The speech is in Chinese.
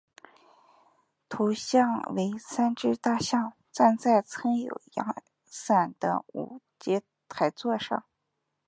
图像为三只大象站在撑有阳伞的五阶台座上。